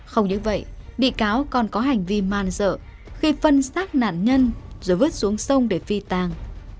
không những vậy bị cáo còn có hành vi man dợ khi phân xác nạn nhân rồi vớt xuống sông để phi tàng